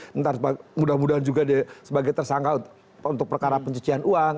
ntar mudah mudahan juga dia sebagai tersangka untuk perkara pencucian uang